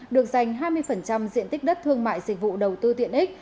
được dành hai mươi diện tích đất thương mại dịch vụ đầu tư tiện ích